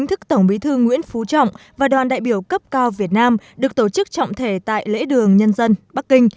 thức tổng bí thư nguyễn phú trọng và đoàn đại biểu cấp cao việt nam được tổ chức trọng thể tại lễ đường nhân dân bắc kinh